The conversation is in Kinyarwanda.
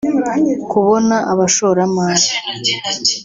kubona abashoramari